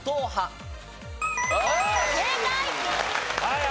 はい。